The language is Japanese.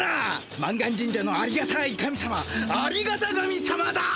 満願神社のありがたい神様ありがた神様だ！